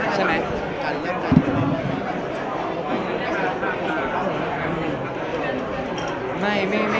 ใช่ไหม